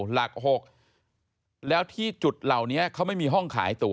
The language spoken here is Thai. หลัก๖แล้วที่จุดเหล่านี้เขาไม่มีห้องขายตัว